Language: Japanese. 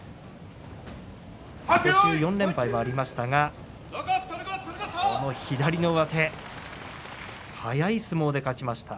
途中４連敗もありましたが左の上手速い相撲で勝ちました。